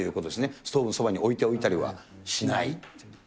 ストーブのそばに置いておいたりはしない。